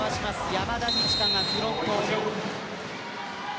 山田二千華がフロント。